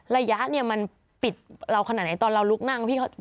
ระยะเนี่ยมันปิดเราขนาดไหนตอนเราลุกนั่งพี่เขา